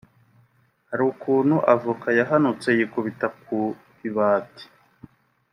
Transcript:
hari ukuntu avocat yahanutse yikubita ku ibati